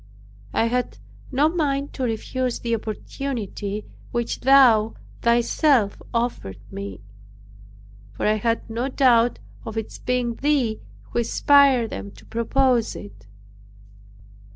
I had no mind to refuse the opportunity which Thou thyself offered me; for I had no doubt of its being Thee who inspired them to propose it.